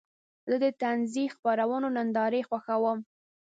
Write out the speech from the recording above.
زه د طنزي خپرونو نندارې خوښوم.